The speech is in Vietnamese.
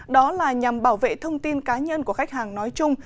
đó là nhằm bảo vệ thông tin cá nhân của khách hàng nói chung